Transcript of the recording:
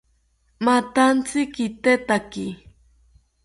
Mathantzi kitetaki